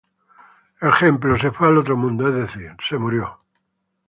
Ejemplo: "Se fue al otro mundo, es decir, se murió".